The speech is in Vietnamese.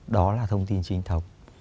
đó là thông tin chính thống